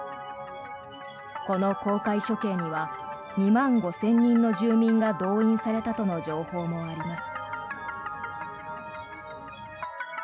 この公開処刑には２万５０００人の住民が動員されたとの情報もあります。